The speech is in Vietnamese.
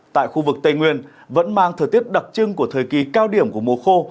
tại khu vực tây nguyên vẫn mang thời tiết đặc trưng của thời kỳ cao điểm của mùa khô